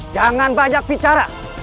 jangan banyak bicara